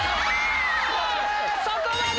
そこまで！